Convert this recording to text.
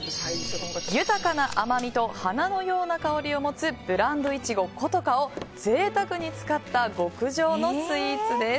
豊かな甘みと花のような香りを持つブランドイチゴ古都華を贅沢に使った極上のスイーツです。